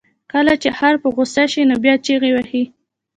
کله چې خر په غوسه شي، نو بیا چغې وهي.